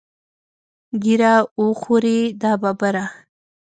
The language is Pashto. ږیره وخورې دا ببره.